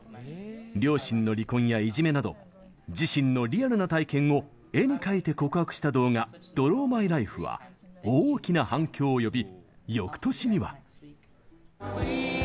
両親の離婚や、いじめなど自身のリアルな体験を絵に描いて告白した動画「ＤｒａｗＭｙＬｉｆｅ」は大きな反響を呼びよくとしには。